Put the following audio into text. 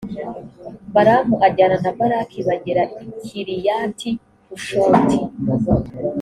balamu ajyana na balaki bagera i kiriyati-hushoti.